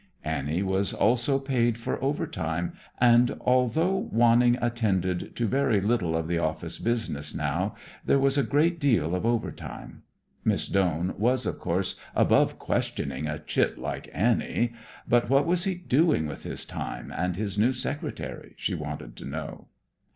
Annie was also paid for overtime, and although Wanning attended to very little of the office business now, there was a great deal of overtime. Miss Doane was, of course, 'above' questioning a chit like Annie; but what was he doing with his time and his new secretary, she wanted to know?